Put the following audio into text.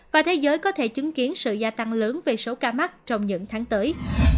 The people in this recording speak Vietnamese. và thế giới có thể chứng kiến sự gia tăng lớn về số ca mắc trong những tháng tới